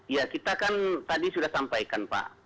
ya kita kan tadi sudah sampaikan pak